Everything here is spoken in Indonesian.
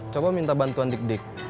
coba minta bantuan dik dik